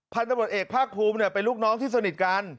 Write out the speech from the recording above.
พันธบทเอกภาคภูมิเป็นลูกน้องที่สนิทกัน